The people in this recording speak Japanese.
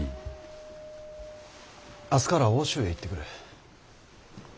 明日から奥州へ行ってくる。